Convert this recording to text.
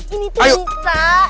ini tuh bisa